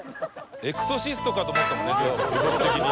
『エクソシスト』かと思ったもんねちょっと動き的に。